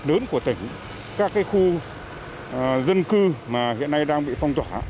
đớn của tỉnh các khu dân cư hiện nay đang bị phong tỏa